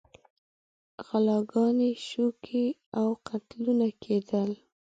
غلاګانې، شوکې او قتلونه کېدل.